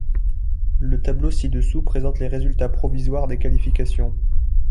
Le tableau ci-dessous présente les résultats provisoires des qualifications.